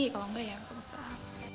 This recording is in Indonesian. kalau nggak ya nggak usah